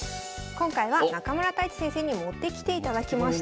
今回は中村太地先生に持ってきていただきました。